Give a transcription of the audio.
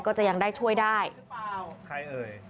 ก็ยังได้ช่วยได้ใครเอ่ย